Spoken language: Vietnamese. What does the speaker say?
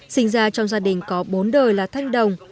sinh ra trong gia đình có bốn đời là thanh đồng